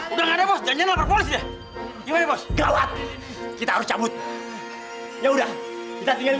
udah nggak ada pos janjian nampak polis ya gimana pos gawat kita harus cabut ya udah kita tinggalin